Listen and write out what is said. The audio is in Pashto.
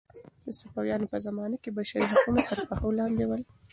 د صفویانو په زمانه کې بشري حقونه تر پښو لاندې ول.